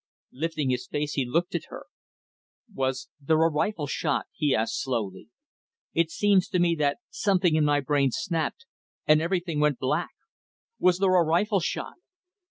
Lifting his face he looked at her. "Was there a rifle shot?" he asked slowly. "It seems to me that something in my brain snapped, and everything went black. Was there a rifle shot?"